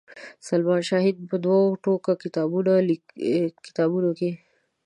سلما شاهین په دوو ټوکه کتابونو کې.